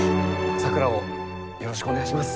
咲良をよろしくお願いします。